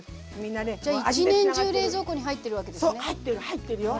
じゃあ一年中冷蔵庫に入ってるわけですね。